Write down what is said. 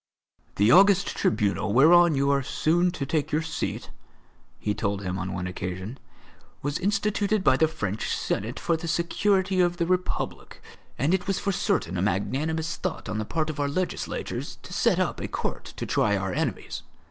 "The august tribunal whereon you are soon to take your seat," he told him on one occasion, "was instituted by the French Senate for the security of the Republic; and it was for certain a magnanimous thought on the part of our legislators to set up a court to try our enemies.